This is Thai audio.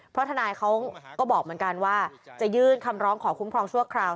เพราะทนายเขาก็บอกเหมือนกันว่าจะยื่นคำร้องขอคุ้มครองชั่วคราว